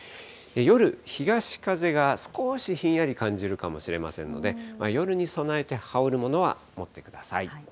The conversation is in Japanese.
夜、東風が少しひんやり感じるかもしれませんので、夜に備えて、羽織るものは持ってください。